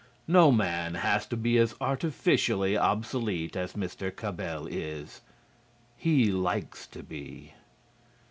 No man has to be as artificially obsolete as Mr. Cabell is. He likes to be.